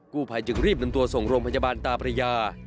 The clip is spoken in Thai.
ผู้ภัยจึงรีบนำตัวส่งโรงพยาบาลตาพระยา